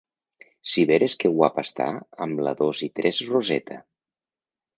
¡Si veres que guapa està amb la dos i tres Roseta!